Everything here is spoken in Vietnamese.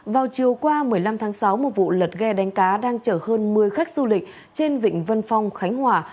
vào chiều qua một mươi năm tháng sáu một vụ lật ghe đánh cá đang chở hơn một mươi khách du lịch trên vịnh vân phong khánh hòa